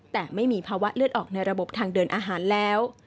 แต่ไม่มีภาวะเลือดออกในระบบทางเดินอาหารแล้ว